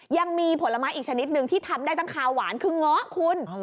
ยังมีผลไม้อีกชนิดหนึ่งที่ทำได้ตั้งคาหวานคือเงาะคุณ